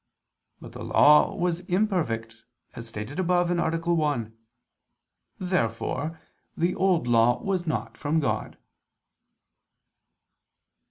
But the Law was imperfect, as stated above (A. 1). Therefore the Old Law was not from God.